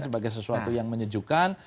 sebagai sesuatu yang menyejukkan